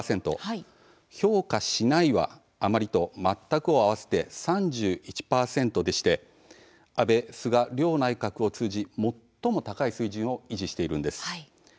「評価しない」は「あまり」と「全く」を合わせて３１％でして安倍、菅両内閣を通じ最も高い水準を維持しています。